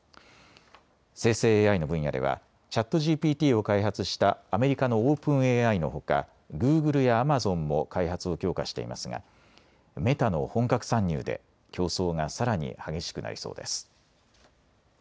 生成ＡＩの分野ではＣｈａｔＧＰＴを開発したアメリカのオープンＡＩのほかグーグルやアマゾンも開発を強化していますがメタの本格参入で競争がさらに激しくなりそうです。